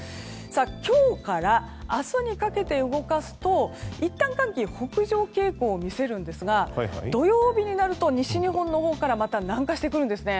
今日から明日にかけて動かすといったん寒気は北上傾向を見せますが土曜日になると西日本のほうからまた南下してくるんですね。